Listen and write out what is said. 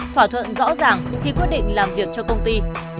thỏa thuận rõ ràng khi quyết định làm việc cho công ty